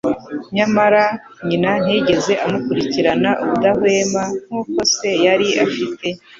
Nyamara, nyina ntiyigeze amukurikirana ubudahwema nk'uko se yari afite.